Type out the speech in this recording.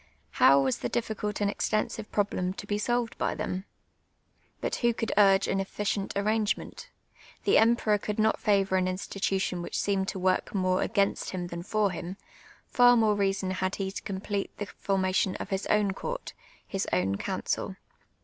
How was the difficult and extensive problem to be solved by them ? But who could urge an efficient arrangement ? The emperor could not favour an institution which seemed to work more against him than ibr him ; far more reason had he to complete the fonnation of his own court — his oww council.